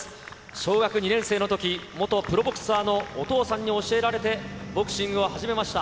小学２年生のとき、元プロボクサーのお父さんに教えられてボクシングを始めました。